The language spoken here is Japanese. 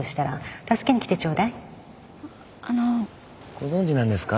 ご存じなんですか？